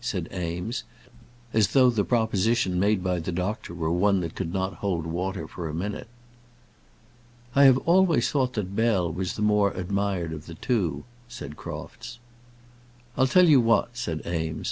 said Eames, as though the proposition made by the doctor were one that could not hold water for a minute. "I have always thought that Bell was the more admired of the two," said Crofts. "I'll tell you what," said Eames.